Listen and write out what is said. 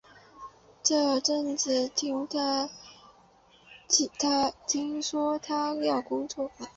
这阵子听说他要工作了